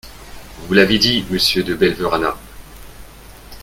Vous l’avez dit, Monsieur De Belverana.